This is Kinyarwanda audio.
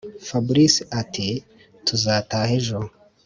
fabric ati”tuzataha ejo”